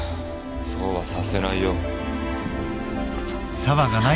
そうはさせないよ